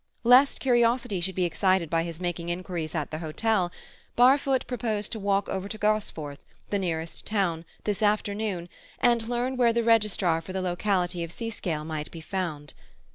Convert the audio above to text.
Lest curiosity should be excited by his making inquiries at the hotel, Barfoot proposed to walk over to Gosforth, the nearest town, this afternoon, and learn where the registrar for the locality of Seascale might be found.